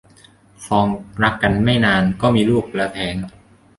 ครองรักกันไม่นานก็มีลูกแล้วแท้ง